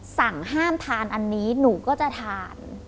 สั่งห้ามทานอันนี้หนูก็จะทาน